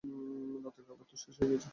রাতের খাবার তো শেষ হয়ে গেছে।